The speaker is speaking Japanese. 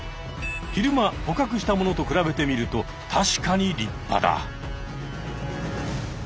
昼間捕獲したものと比べてみると確かに立派だ。